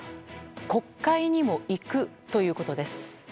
国会にも行くということです。